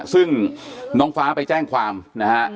ซึ่งน้องฟ้าไปแจ้งความนะฮะ